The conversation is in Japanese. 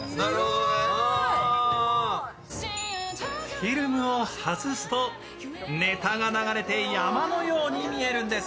フィルムを外すとネタが流れて山のように見えるんです。